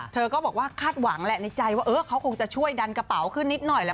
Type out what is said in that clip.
เธอก็บอกว่าคาดหวังแหละในใจว่าเขาคงจะช่วยดันกระเป๋าขึ้นนิดหน่อยแหละ